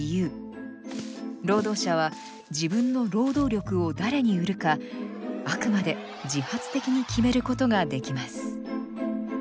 労働者は自分の労働力を誰に売るかあくまで自発的に決めることができます。